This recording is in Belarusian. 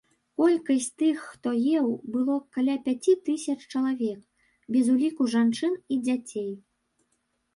Колькасць тых, хто еў, было каля пяці тысяч чалавек, без уліку жанчын і дзяцей.